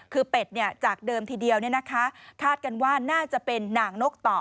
คือเป็ดจากเดิมทีเดียวคาดกันว่าน่าจะเป็นหนังนกต่อ